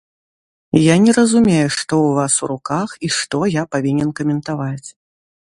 Я не разумею, што ў вас у руках і што я павінен каментаваць.